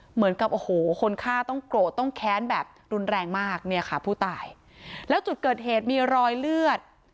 เหมือนกับโอ้โหคนฆ่าต้องโกรธต้องแค้นแบบรุนแรงมากเนี่ยค่ะผู้ตายแล้วจุดเกิดเหตุมีรอยเลือด